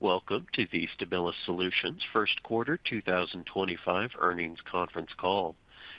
Welcome to the Stabilis Solutions First Quarter 2025 Earnings Conference Call.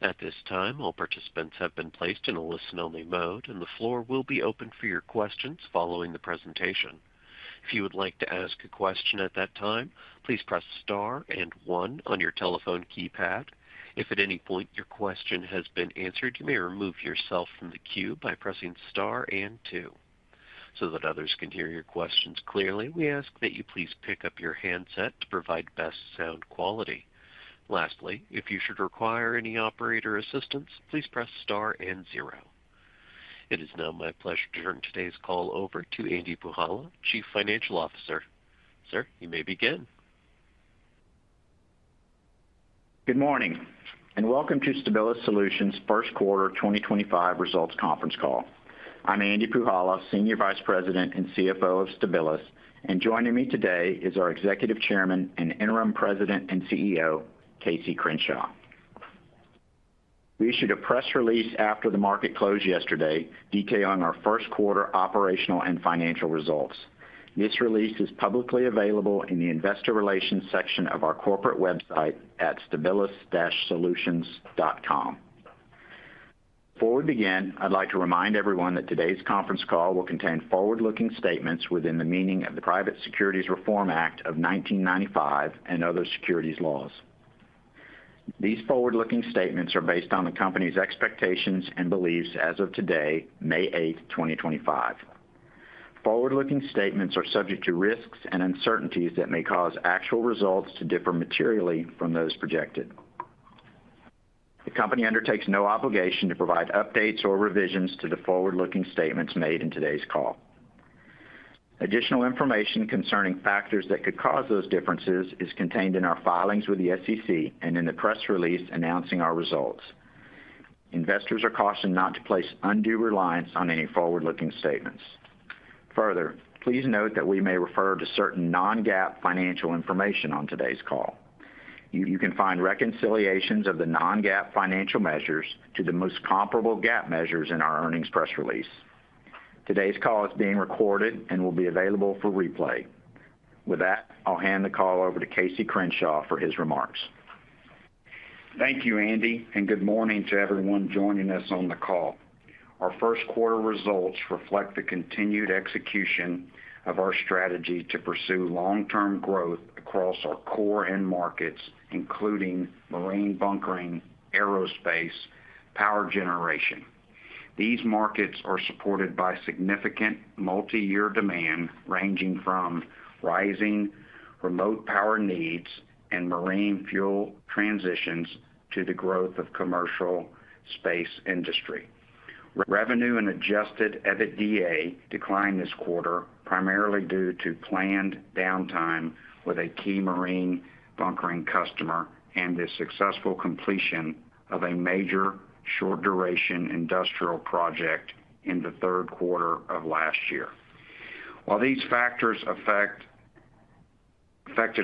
At this time, all participants have been placed in a listen-only mode, and the floor will be open for your questions following the presentation. If you would like to ask a question at that time, please press star and one on your telephone keypad. If at any point your question has been answered, you may remove yourself from the queue by pressing star and two. So that others can hear your questions clearly, we ask that you please pick up your handset to provide best sound quality. Lastly, if you should require any operator assistance, please press star and zero. It is now my pleasure to turn today's call over to Andy Puhala, Chief Financial Officer. Sir, you may begin. Good morning and welcome to Stabilis Solutions First Quarter 2025 Results Conference Call. I'm Andy Puhala, Senior Vice President and CFO of Stabilis, and joining me today is our Executive Chairman and Interim President and CEO, Casey Crenshaw. We issued a press release after the market closed yesterday detailing our first quarter operational and financial results. This release is publicly available in the Investor Relations section of our corporate website at stabilis-solutions.com. Before we begin, I'd like to remind everyone that today's conference call will contain forward-looking statements within the meaning of the Private Securities Reform Act of 1995 and other securities laws. These forward-looking statements are based on the company's expectations and beliefs as of today, May 8, 2025. Forward-looking statements are subject to risks and uncertainties that may cause actual results to differ materially from those projected. The company undertakes no obligation to provide updates or revisions to the forward-looking statements made in today's call. Additional information concerning factors that could cause those differences is contained in our filings with the SEC and in the press release announcing our results. Investors are cautioned not to place undue reliance on any forward-looking statements. Further, please note that we may refer to certain non-GAAP financial information on today's call. You can find reconciliations of the non-GAAP financial measures to the most comparable GAAP measures in our earnings press release. Today's call is being recorded and will be available for replay. With that, I'll hand the call over to Casey Crenshaw for his remarks. Thank you, Andy, and good morning to everyone joining us on the call. Our first quarter results reflect the continued execution of our strategy to pursue long-term growth across our core end markets, including marine bunkering, aerospace, and power generation. These markets are supported by significant multi-year demand ranging from rising remote power needs and marine fuel transitions to the growth of commercial space industry. Revenue and adjusted EBITDA declined this quarter primarily due to planned downtime with a key marine bunkering customer and the successful completion of a major short-duration industrial project in the third quarter of last year. While these factors affected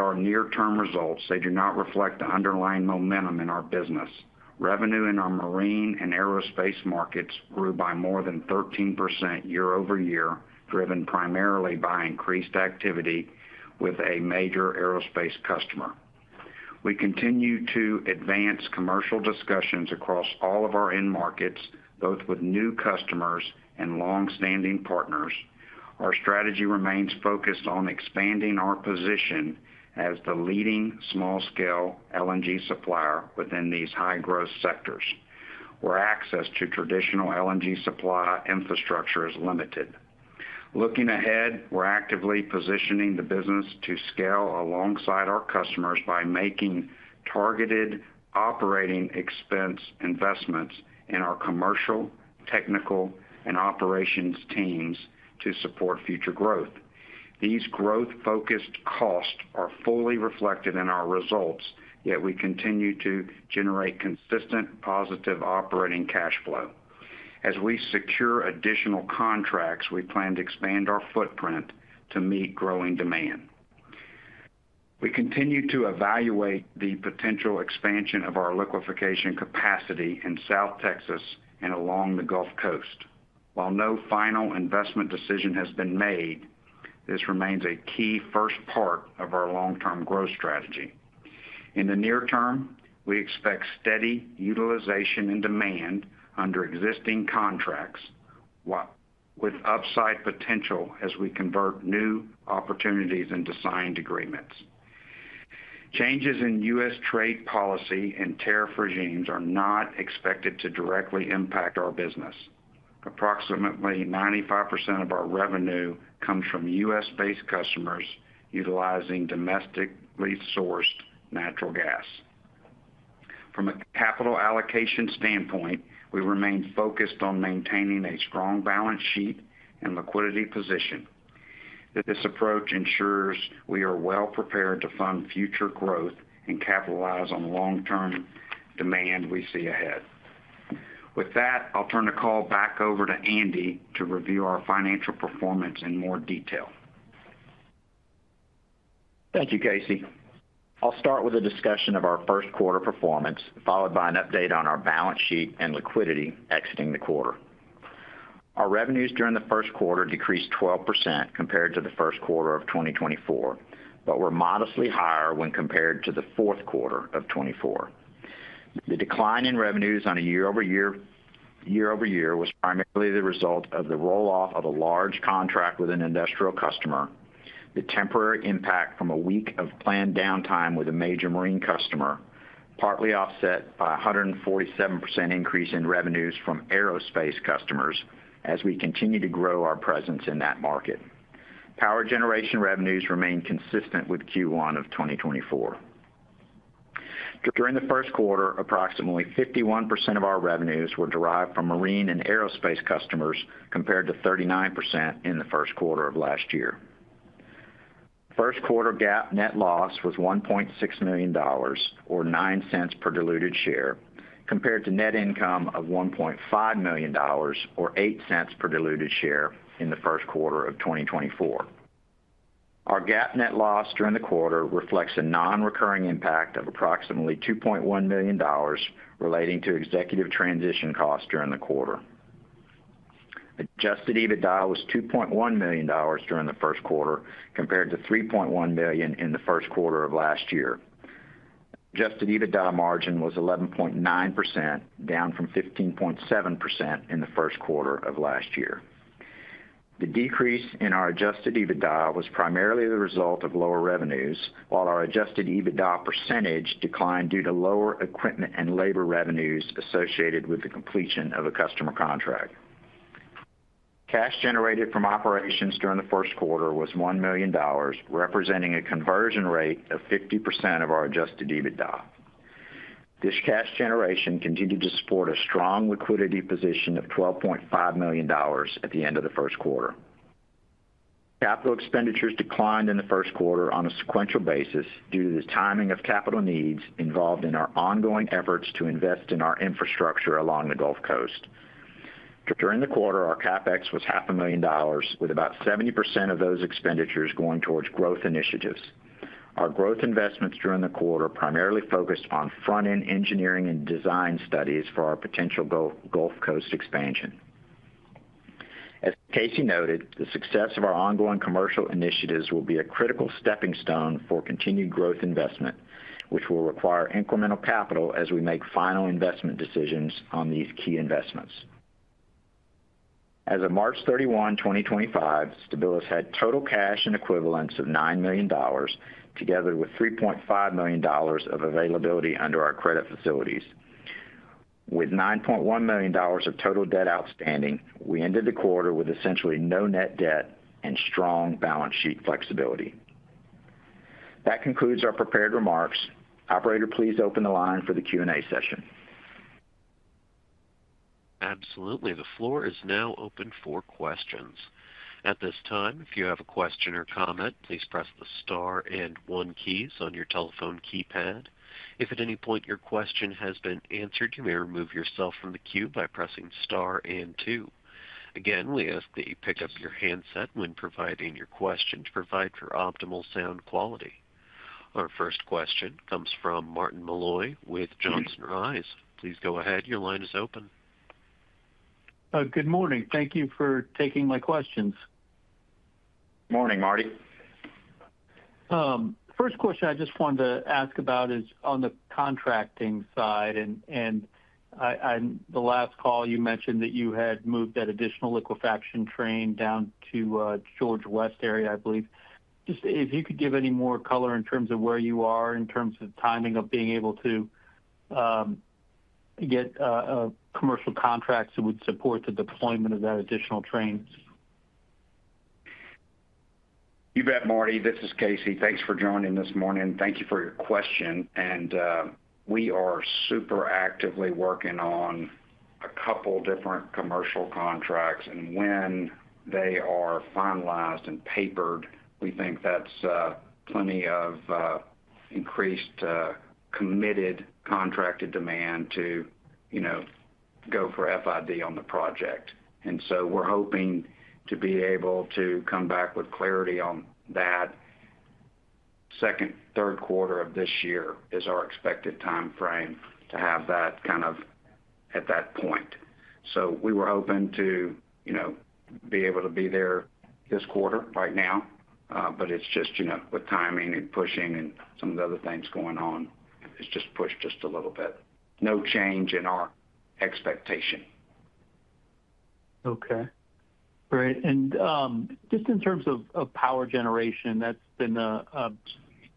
our near-term results, they do not reflect the underlying momentum in our business. Revenue in our marine and aerospace markets grew by more than 13% year over year, driven primarily by increased activity with a major aerospace customer. We continue to advance commercial discussions across all of our end markets, both with new customers and long-standing partners. Our strategy remains focused on expanding our position as the leading small-scale LNG supplier within these high-growth sectors, where access to traditional LNG supply infrastructure is limited. Looking ahead, we're actively positioning the business to scale alongside our customers by making targeted operating expense investments in our commercial, technical, and operations teams to support future growth. These growth-focused costs are fully reflected in our results, yet we continue to generate consistent positive operating cash flow. As we secure additional contracts, we plan to expand our footprint to meet growing demand. We continue to evaluate the potential expansion of our liquefaction capacity in South Texas and along the Gulf Coast. While no final investment decision has been made, this remains a key first part of our long-term growth strategy. In the near term, we expect steady utilization and demand under existing contracts with upside potential as we convert new opportunities into signed agreements. Changes in U.S. trade policy and tariff regimes are not expected to directly impact our business. Approximately 95% of our revenue comes from U.S.-based customers utilizing domestically sourced natural gas. From a capital allocation standpoint, we remain focused on maintaining a strong balance sheet and liquidity position. This approach ensures we are well-prepared to fund future growth and capitalize on long-term demand we see ahead. With that, I'll turn the call back over to Andy to review our financial performance in more detail. Thank you, Casey. I'll start with a discussion of our first quarter performance, followed by an update on our balance sheet and liquidity exiting the quarter. Our revenues during the first quarter decreased 12% compared to the first quarter of 2024, but were modestly higher when compared to the fourth quarter of 2024. The decline in revenues on a year-over-year was primarily the result of the roll-off of a large contract with an industrial customer, the temporary impact from a week of planned downtime with a major marine customer, partly offset by a 147% increase in revenues from aerospace customers as we continue to grow our presence in that market. Power generation revenues remained consistent with Q1 of 2024. During the first quarter, approximately 51% of our revenues were derived from marine and aerospace customers compared to 39% in the first quarter of last year. First quarter GAAP net loss was $1.6 million, or $0.09 per diluted share, compared to net income of $1.5 million, or $0.08 per diluted share in the first quarter of 2024. Our GAAP net loss during the quarter reflects a non-recurring impact of approximately $2.1 million relating to executive transition costs during the quarter. Adjusted EBITDA was $2.1 million during the first quarter compared to $3.1 million in the first quarter of last year. Adjusted EBITDA margin was 11.9%, down from 15.7% in the first quarter of last year. The decrease in our adjusted EBITDA was primarily the result of lower revenues, while our adjusted EBITDA percentage declined due to lower equipment and labor revenues associated with the completion of a customer contract. Cash generated from operations during the first quarter was $1 million, representing a conversion rate of 50% of our adjusted EBITDA. This cash generation continued to support a strong liquidity position of $12.5 million at the end of the first quarter. Capital expenditures declined in the first quarter on a sequential basis due to the timing of capital needs involved in our ongoing efforts to invest in our infrastructure along the Gulf Coast. During the quarter, our CapEx was $500,000, with about 70% of those expenditures going towards growth initiatives. Our growth investments during the quarter primarily focused on front-end engineering and design studies for our potential Gulf Coast expansion. As Casey noted, the success of our ongoing commercial initiatives will be a critical stepping stone for continued growth investment, which will require incremental capital as we make final investment decisions on these key investments. As of March 31, 2025, Stabilis had total cash and equivalents of $9 million, together with $3.5 million of availability under our credit facilities. With $9.1 million of total debt outstanding, we ended the quarter with essentially no net debt and strong balance sheet flexibility. That concludes our prepared remarks. Operator, please open the line for the Q&A session. Absolutely. The floor is now open for questions. At this time, if you have a question or comment, please press the star and one keys on your telephone keypad. If at any point your question has been answered, you may remove yourself from the queue by pressing star and two. Again, we ask that you pick up your handset when providing your question to provide for optimal sound quality. Our first question comes from Martin Malloy with Johnson Rice. Please go ahead. Your line is open. Good morning. Thank you for taking my questions. Morning, Marty. First question I just wanted to ask about is on the contracting side. On the last call, you mentioned that you had moved that additional liquefaction train down to the George West area, I believe. Just if you could give any more color in terms of where you are in terms of timing of being able to get a commercial contract that would support the deployment of that additional train. You bet, Marty. This is Casey. Thanks for joining this morning. Thank you for your question. We are super actively working on a couple different commercial contracts. When they are finalized and papered, we think that's plenty of increased committed contracted demand to go for FID on the project. We are hoping to be able to come back with clarity on that. Second, third quarter of this year is our expected timeframe to have that kind of at that point. We were hoping to be able to be there this quarter right now, but it's just with timing and pushing and some of the other things going on, it's just pushed just a little bit. No change in our expectation. Okay. Great. Just in terms of power generation, that's been an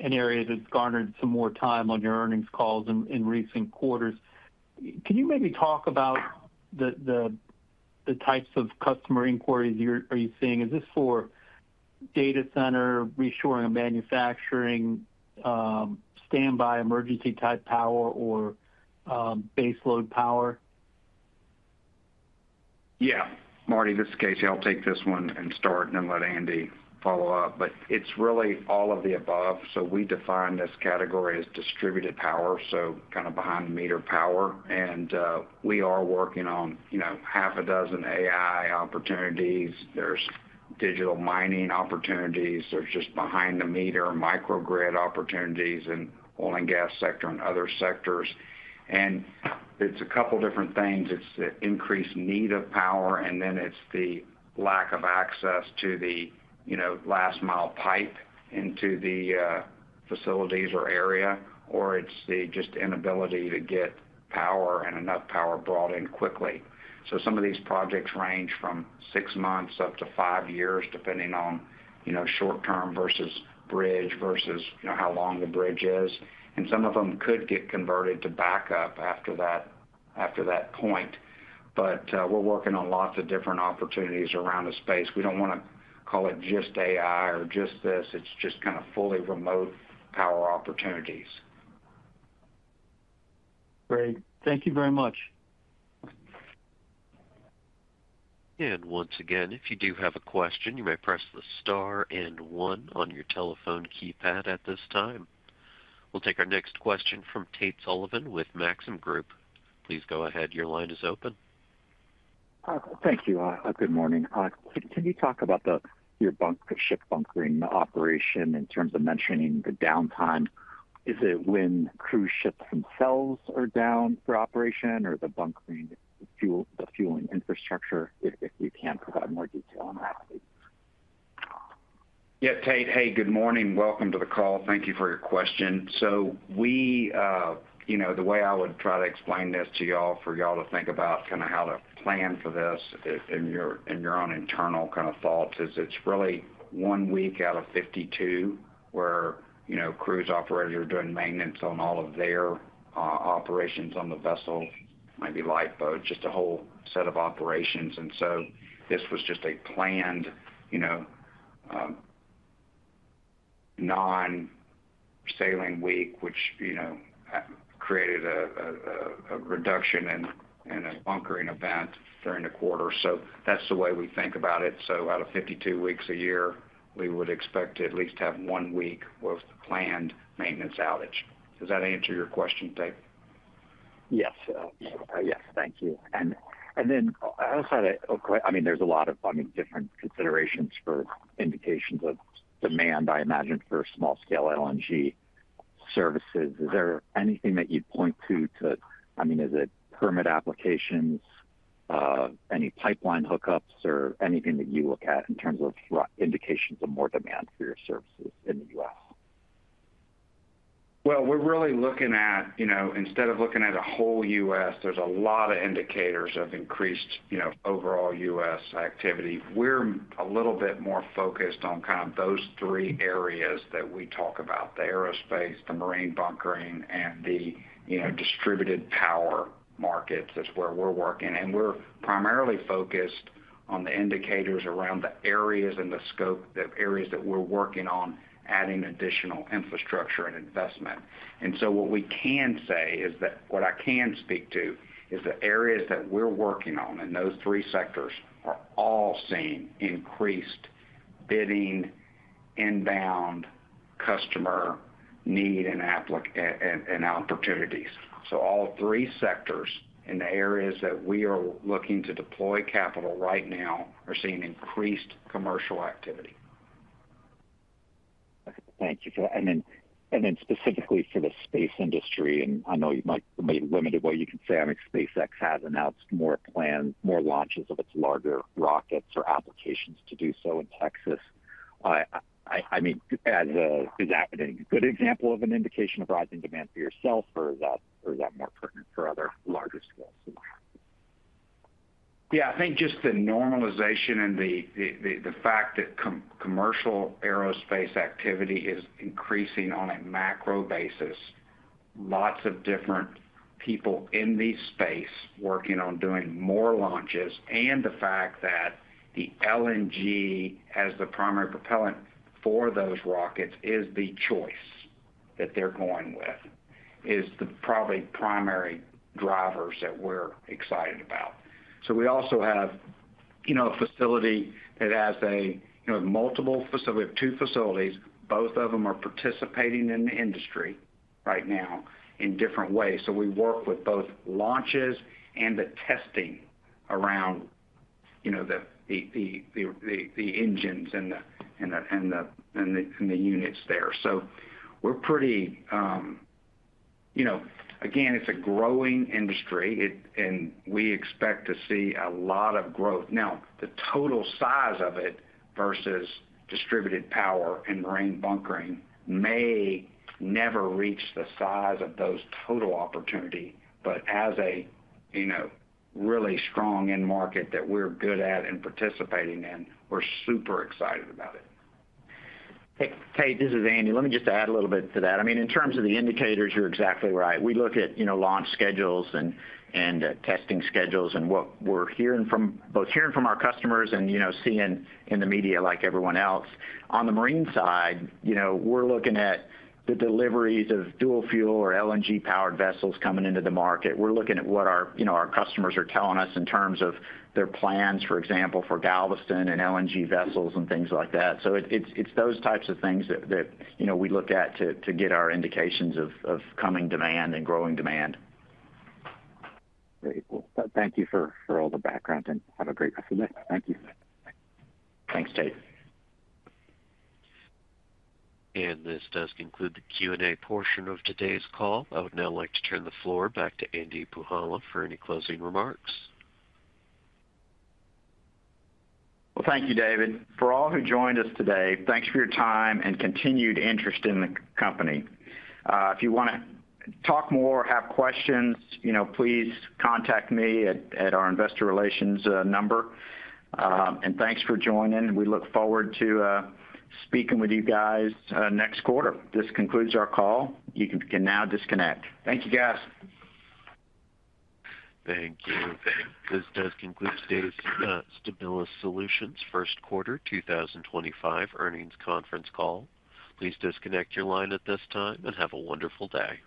area that's garnered some more time on your earnings calls in recent quarters. Can you maybe talk about the types of customer inquiries you're seeing? Is this for data center, reshoring of manufacturing, standby emergency-type power, or base load power? Yeah. Marty, this is Casey. I'll take this one and start and then let Andy follow up. It is really all of the above. We define this category as distributed power, so kind of behind-the-meter power. We are working on half a dozen AI opportunities. There are digital mining opportunities. There are just behind-the-meter microgrid opportunities in oil and gas sector and other sectors. It is a couple different things. It is the increased need of power, and then it is the lack of access to the last-mile pipe into the facilities or area, or it is the just inability to get power and enough power brought in quickly. Some of these projects range from six months up to five years, depending on short-term versus bridge versus how long the bridge is. Some of them could get converted to backup after that point. We're working on lots of different opportunities around the space. We don't want to call it just AI or just this. It's just kind of fully remote power opportunities. Great. Thank you very much. If you do have a question, you may press the star and one on your telephone keypad at this time. We'll take our next question from Tate Sullivan with Maxim Group. Please go ahead. Your line is open. Thank you. Good morning. Can you talk about your ship bunkering operation in terms of mentioning the downtime? Is it when cruise ships themselves are down for operation, or the bunkering, the fueling infrastructure, if you can provide more detail on that? Yeah, Tate. Hey, good morning. Welcome to the call. Thank you for your question. The way I would try to explain this to y'all for y'all to think about, kind of how to plan for this and your own internal kind of thoughts, is it's really one week out of 52 where crew operators are doing maintenance on all of their operations on the vessel, maybe lifeboats, just a whole set of operations. This was just a planned non-sailing week, which created a reduction in a bunkering event during the quarter. That's the way we think about it. Out of 52 weeks a year, we would expect to at least have one week of planned maintenance outage. Does that answer your question, Tate? Yes. Thank you. Outside of, I mean, there is a lot of different considerations for indications of demand, I imagine, for small-scale LNG services. Is there anything that you would point to? I mean, is it permit applications, any pipeline hookups, or anything that you look at in terms of indications of more demand for your services in the U.S.? We're really looking at, instead of looking at the whole U.S., there's a lot of indicators of increased overall U.S. activity. We're a little bit more focused on kind of those three areas that we talk about: the aerospace, the marine bunkering, and the distributed power markets is where we're working. We're primarily focused on the indicators around the areas and the scope of areas that we're working on adding additional infrastructure and investment. What we can say is that what I can speak to is the areas that we're working on in those three sectors are all seeing increased bidding, inbound customer need, and opportunities. All three sectors in the areas that we are looking to deploy capital right now are seeing increased commercial activity. Thank you for that. Then specifically for the space industry, and I know you might be limited, but you can say, I mean, SpaceX has announced more launches of its larger rockets or applications to do so in Texas. I mean, is that a good example of an indication of rising demand for yourself, or is that more pertinent for other larger scale scenarios? Yeah. I think just the normalization and the fact that commercial aerospace activity is increasing on a macro basis, lots of different people in the space working on doing more launches, and the fact that LNG as the primary propellant for those rockets is the choice that they're going with is probably the primary drivers that we're excited about. We also have a facility that has multiple facilities. We have two facilities. Both of them are participating in the industry right now in different ways. We work with both launches and the testing around the engines and the units there. We're pretty, again, it's a growing industry, and we expect to see a lot of growth. Now, the total size of it versus distributed power and marine bunkering may never reach the size of those total opportunities, but as a really strong end market that we're good at and participating in, we're super excited about it. Hey, Tate, this is Andy. Let me just add a little bit to that. I mean, in terms of the indicators, you're exactly right. We look at launch schedules and testing schedules and what we're hearing from both hearing from our customers and seeing in the media like everyone else. On the marine side, we're looking at the deliveries of dual fuel or LNG-powered vessels coming into the market. We're looking at what our customers are telling us in terms of their plans, for example, for Galveston and LNG vessels and things like that. It is those types of things that we look at to get our indications of coming demand and growing demand. Great. Thank you for all the background, and have a great rest of the day. Thank you. Thanks, Tate. This does conclude the Q&A portion of today's call. I would now like to turn the floor back to Andy Puhala for any closing remarks. Thank you, David. For all who joined us today, thanks for your time and continued interest in the company. If you want to talk more or have questions, please contact me at our investor relations number. Thanks for joining. We look forward to speaking with you guys next quarter. This concludes our call. You can now disconnect. Thank you, guys. Thank you. This does conclude today's Stabilis Solutions First Quarter 2025 Earnings Conference Call. Please disconnect your line at this time and have a wonderful day.